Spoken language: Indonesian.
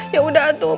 ya udah atuh